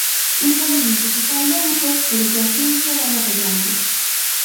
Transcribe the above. Un camiño que se fai longo, pero que a ciencia vai atallando.